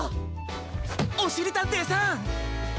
おしりたんていさん！